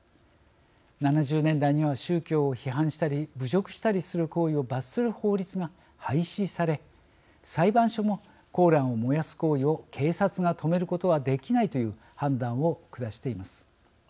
７０年代には宗教を批判したり侮辱したりする行為を罰する法律が廃止され裁判所もコーランを燃やす行為を警察が止めることはできないという判断を下しています。